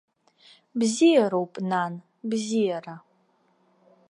Бзиароуп, нан, бзиара.